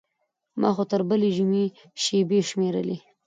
خو ما تر بلې جمعې شېبې شمېرلې.